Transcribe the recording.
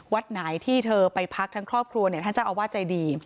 วัดไหนที่เธอไปพักทั้งครอบครัวเนี่ยท่านเจ้าอาวาสใจดี